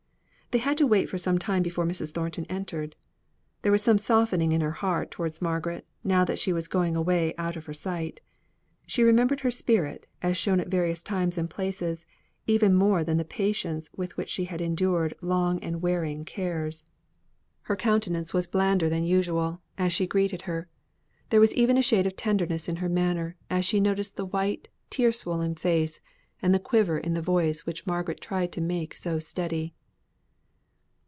They had to wait for some time before Mrs. Thornton entered. There was some softening in her heart towards Margaret, now that she was going away out of her sight. She remembered her spirit, as shown at various times and places, even more than the patience with which she had endured long and wearing cares. Her countenance was blander than usual, as she greeted her; there was even a shade of tenderness in her manner, as she noticed the white, tear swollen face, and the quiver in the voice which Margaret tried to make so steady.